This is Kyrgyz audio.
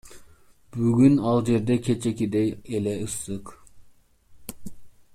Бүгүн ал жерде кечээкидей эле ысык.